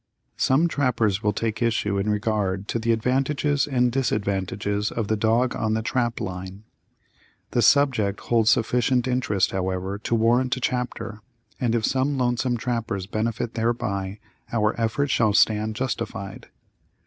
Some trappers will take issue in regard to the advantages and disadvantages of the dog on the trap line. The subject holds sufficient interest, however, to warrant a chapter, and if some lonesome trappers benefit thereby, our effort shall stand justified.